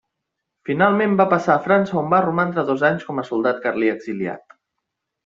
Finalment va passar a França on va romandre dos anys com a soldat carlí exiliat.